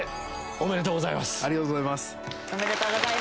おめでとうございます。